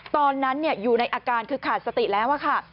ตอนนั้นอยู่ในอาการคือขาดสติแล้วค่ะ